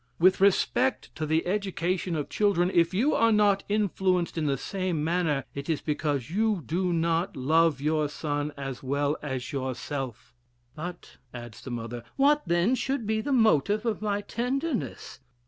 With respect to the education of children, if you are not influenced in the same manner, it is because you do not love your son as well as yourself. 'But,' adds the mother, 'what then should be the motive of my tenderness?'